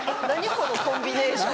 このコンビネーション。